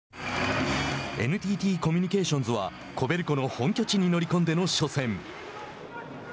ＮＴＴコミュニケーションズはコベルコの本拠地に乗り込んでの初戦。